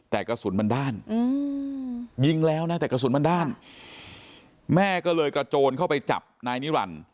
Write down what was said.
แต่กระสุนมันด้านยิงแล้วนะแต่กระสุนมันด้านแม่ก็เลยกระโจนเข้าไปจับนายนิรันดิ์